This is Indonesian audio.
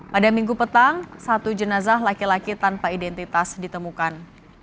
pada minggu petang satu jenazah laki laki tanpa identitas ditemukan